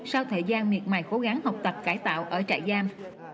sau thời gian miệt mài cố gắng học tập cải tạo ở trại giam